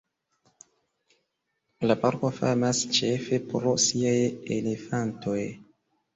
La parko famas ĉefe pro siaj elefantoj.